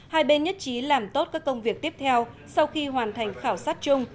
hai bên nhất trí làm tốt các công việc tiếp theo sau khi hoàn thành khảo sát chung